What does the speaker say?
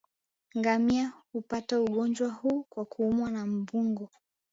Ngamia hupata ugonjwa huu kwa kuumwa na mbungo